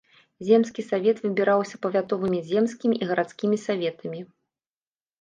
Земскі савет выбіраўся павятовымі земскімі і гарадскімі саветамі.